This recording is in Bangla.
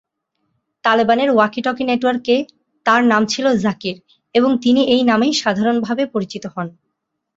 তালেবানের ওয়াকি-টকি নেটওয়ার্কে তার নাম ছিল "জাকির", এবং তিনি এই নামেই সাধারণভাবে পরিচিত হন।